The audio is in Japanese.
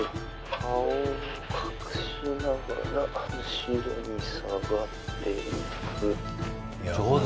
顔を隠しながら後ろに下がっていく上手